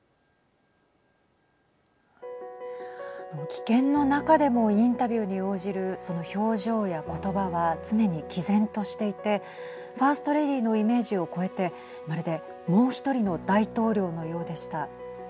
危険の中でもインタビューに応じるその表情や言葉は常にきぜんとしていてファースト・レディーのイメージを超えてまるで、もうひとりの大統領のようでした。